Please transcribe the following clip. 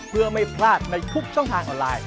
เพื่อไม่พลาดในทุกช่องทางออนไลน์